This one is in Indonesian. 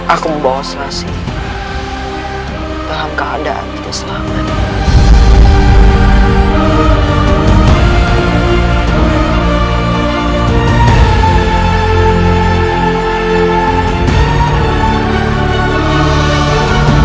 aku membawa selasi dalam keadaan terselamat